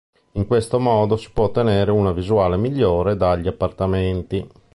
In questo modo si può ottenere una visuale migliore dagli appartamenti.